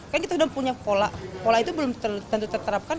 kan kita sudah punya pola pola itu belum tentu terterapkan